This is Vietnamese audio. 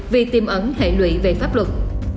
vì tiêm ẩn hệ lụy về pháp luật